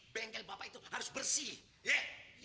bengkel bapak itu harus bersih